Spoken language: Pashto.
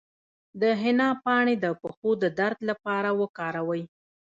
د حنا پاڼې د پښو د درد لپاره وکاروئ